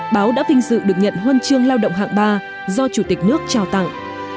báo đã vinh dự được nhận huân chương lao động hạng ba do chủ tịch nước trao tặng